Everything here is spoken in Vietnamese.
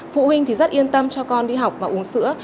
phụ huynh thì rất yên tâm cho con đi học và uống sữa